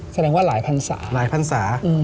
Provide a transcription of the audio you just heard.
แสดงว่าหลายพันธุ์สาหลายพันธุ์สา